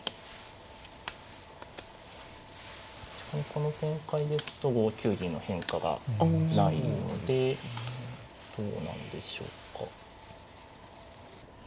この展開ですと５九銀の変化がないのでどうなんでしょうか。